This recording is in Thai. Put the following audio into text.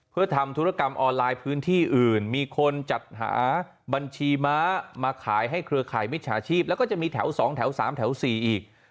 เพื่อทำธุรกรรมออนไลน์พื้นที่อื่นมีคนจัดหาบัญชีม้ามาขายให้เครือข่ายมิจฉาชีพแล้วก็จะมีแถว๒แถว๓แถว๔อีก